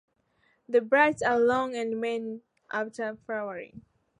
The bracts are long and remain after flowering.